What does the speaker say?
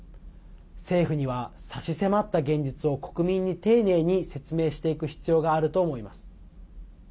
政府には差し迫った現実を国民に丁寧に説明していく必要があると思います。